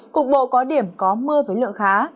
cục bộ có điểm có mưa với lượng khá